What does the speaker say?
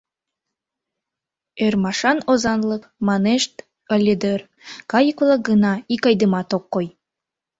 Ӧрмашан озанлык! — маннешт ыле дыр: кайык-влак гына, ик айдемат ок кой!